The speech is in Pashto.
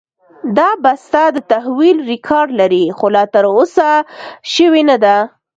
دا بسته د تحویل ریکارډ لري، خو لا ترلاسه شوې نه ده.